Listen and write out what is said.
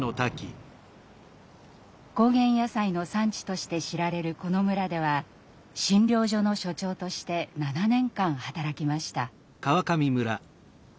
高原野菜の産地として知られるこの村では診療所の所長として７年間働きました。